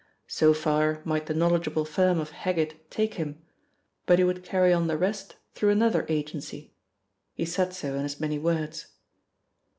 So far might the knowledgeable firm of Heggitt take him, but he would carry on the rest through another agency. He said so in as many words.